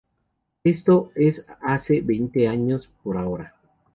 Esto es hace veinte años por ahora.